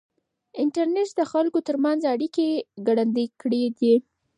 انټرنېټ د خلکو ترمنځ اړیکې ګړندۍ کړې دي.